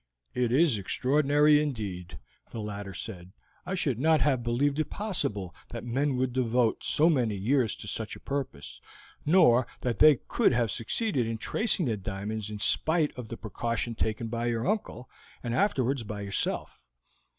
"It is extraordinary indeed," the latter said. "I should not have believed it possible that men would devote so many years to such a purpose, nor that they could have succeeded in tracing the diamonds in spite of the precaution taken by your uncle, and afterwards by yourself.